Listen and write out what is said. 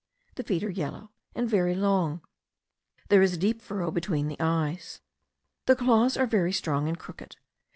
The feet are yellow, and very long. There is a deep furrow between the eyes. The claws are very strong and crooked.